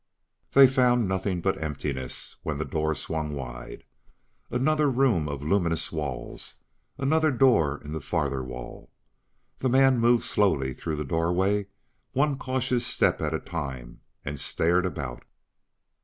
They found nothing but emptiness when the door swung wide. Another room of luminous walls; another door in the farther wall. The man moved slowly through the doorway one cautious step at a time and stared about.